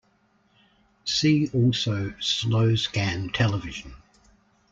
See also slow-scan television.